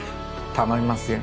頼みますよ。